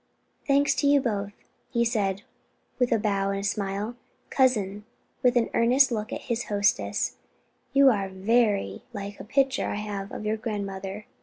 "Thanks to you both," he said with a bow and smile. "Cousin," with an earnest look at his hostess, "you are very like a picture I have of your grandmother.